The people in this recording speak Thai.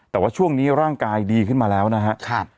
แต่ว่าช่วงนี้ร่างกายดีขึ้นมาแล้วนะครับ